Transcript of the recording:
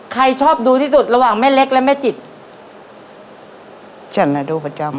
ใครชอบดูที่สุดระหว่างแม่เล็กและแม่จิตฉันน่ะดูประจำ